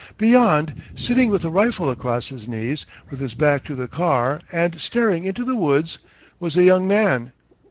Beyond, sitting with a rifle across his knees, with his back to the car, and staring into the woods, was a young man.